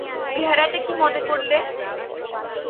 বেহারাটা কী মনে করলে!